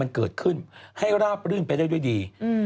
มันเกิดขึ้นให้ราบรื่นไปได้ด้วยดี